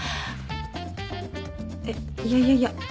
えっいやいやいや。